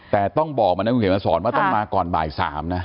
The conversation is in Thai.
แต่ต้องบอกมันนะครับคุณผู้หญิงมาสอนว่าต้องมาก่อนบ่ายสามนะ